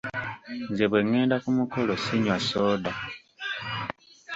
Nze bwe ngenda ku mukolo sinywa soda.